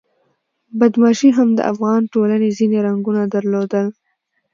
بدماشي هم د افغان ټولنې ځینې رنګونه درلودل.